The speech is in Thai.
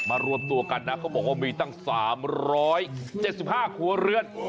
รวมตัวกันนะเขาบอกว่ามีตั้ง๓๗๕ครัวเรือน